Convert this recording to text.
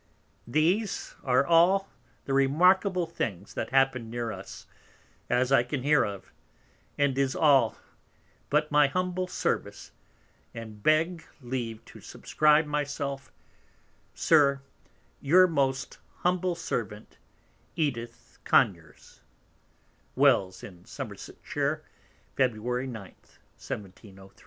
These are all the remarkable Things that happen'd near us, as I can hear of; and is all, but my humble Service; and beg Leave to subscribe my self, SIR, Your most humble Servant, Wells in Somersetshire, Feb. 9. 1703. Edith. Conyers.